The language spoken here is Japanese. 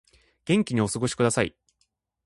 元気にお過ごしください